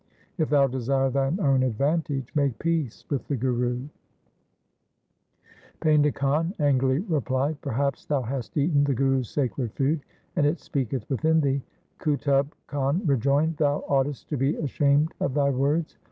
If thou desire thine own advantage, make peace with the Guru/ Painda Khan angrily replied, ' Perhaps thou hast eaten the Guru's sacred food, and it speaketh within thee.' Qutub Khan rejoined, ' Thou oughtest to be ashamed of thy words.